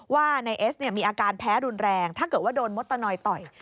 ว่านายเอสมีอาการแพ้รุนแรงถ้าเกิดว่าโดนมดตะนอยต่อย